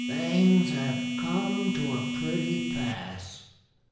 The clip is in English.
"Things have come to a pretty pass!"